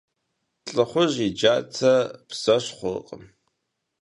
ЛӀыхъужь и джатэ бзэщхъуркъым.